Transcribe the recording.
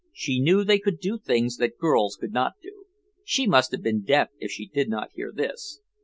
She knew they could do things that girls could not do. She must have been deaf if she did not hear this.